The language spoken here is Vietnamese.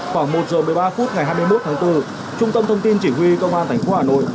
khoảng một giờ một mươi ba phút ngày hai mươi một tháng bốn trung tâm thông tin chỉ huy công an tp hà nội